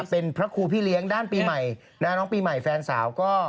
เป็นพระครูพี่เลี้ยงด้านปีใหม่น้องปีใหม่แฟนสาวก็